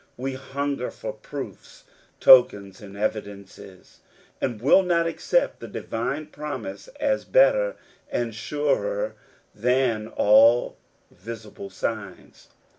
We hun ger for proofs, tokens, and evidences, and will not accept the divine promise as better and surer than all visible signs.